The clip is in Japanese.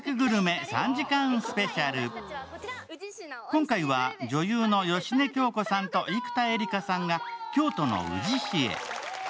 今回は、女優の芳根京子さんと生田絵梨花さんが京都の宇治市へ。